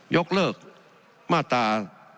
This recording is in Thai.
๒ยกเลิกมาตรา๒๗๒